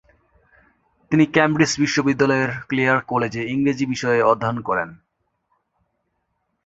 তিনি ক্যামব্রিজ বিশ্ববিদ্যালয়ের ক্লেয়ার কলেজে ইংরেজি বিষয়ে অধ্যয়ন করেন।